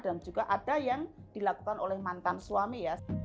dan juga ada yang dilakukan oleh mantan suami